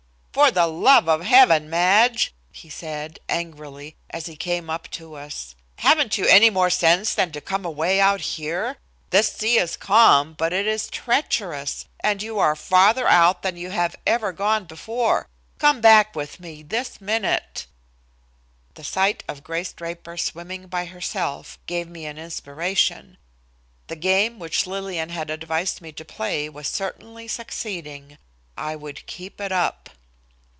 "For the love of heaven, Madge!" he said, angrily, as he came up to us. "Haven't you any more sense than to come away out here? This sea is calm, but it is treacherous, and you are farther out than you have ever gone before. Come back with me this minute." The sight of Grace Draper swimming by herself gave me an inspiration. The game which Lillian had advised me to play was certainly succeeding. I would keep it up.